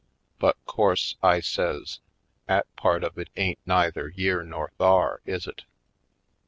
But, course," I says, " 'at part of it ain't neither yere nor thar, is it?